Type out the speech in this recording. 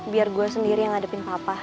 biar gue sendiri yang ngadepin papa